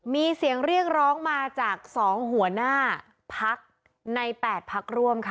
มีเสียงเรียกร้องมาจาก๒หัวหน้าพักใน๘พักร่วมค่ะ